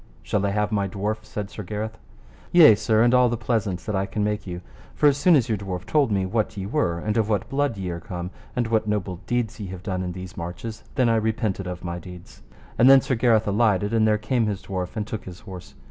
Shall I have my dwarf? said Sir Gareth. Yea, sir, and all the pleasaunce that I can make you, for as soon as your dwarf told me what ye were and of what blood ye are come, and what noble deeds ye have done in these marches, then I repented of my deeds. And then Sir Gareth alighted, and there came his dwarf and took his horse.